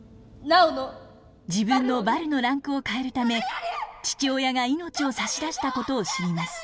自分のヴァルのランクを変えるため父親が命を差し出したことを知ります。